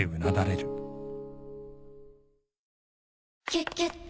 「キュキュット」